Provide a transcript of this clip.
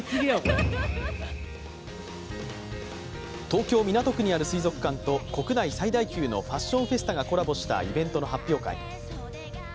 東京・港区にある水族館と国内最大級のファッションフェスタがコラボしたイベントの発表会。